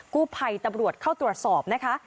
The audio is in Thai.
กู้ภัยตำรวจเข้าตรวจสอบนะคะ